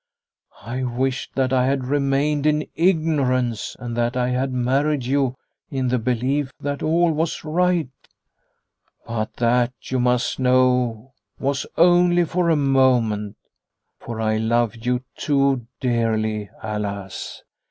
I wished that I had remained in ignorance, and that I had married you in the belief that all was right. The Home 263 But that, you must know, was only for a moment, for I love you too dearly alas